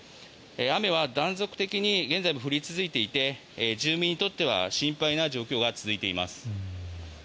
雨は断続的に現在も降り続いていて住民にとっては心配な状況が続いています。